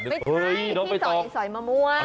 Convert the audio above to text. ไม่ใช่พี่สอยมะม่วง